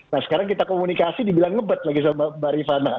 nah sekarang kita komunikasi dibilang ngebet lagi sama mbak rifana